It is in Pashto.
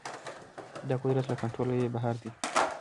دا قدرت له کنټروله يې بهر دی.